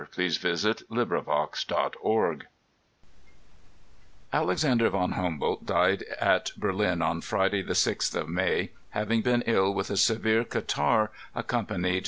ŌĆö Aleocander von Humboldt Alexander von Humboldt died at Berlin on Friday the jrixth of May, having been ill with a severe catarrh accompanied